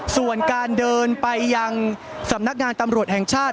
ส่วนการเดินไปยังสำนักงานตำรวจแห่งชาติ